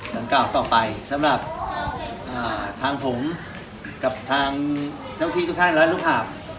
เสียงเก่าต่อไปสำหรับทางผมกับทางเจ้าที่สุภาและลูกห่าง